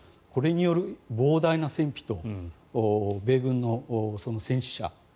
これによる膨大な戦費と米軍の戦死者。